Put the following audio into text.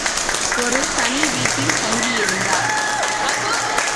ஒருதனி வீட்டில் தங்கியிருந்தார்.